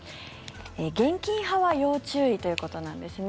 現金派は要注意ということなんですね。